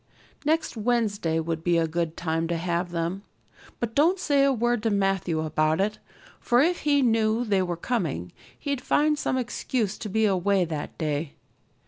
Next Wednesday would be a good time to have them. But don't say a word to Matthew about it, for if he knew they were coming he'd find some excuse to be away that day.